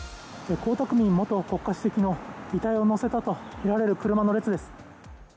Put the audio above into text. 江沢民元国家主席の遺体を乗せたとみられる車の列です。